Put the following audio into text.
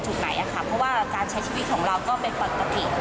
เพราะว่าการใช้ชีวิตของเราก็เป็นปกติ